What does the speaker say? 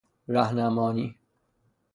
رهنمانی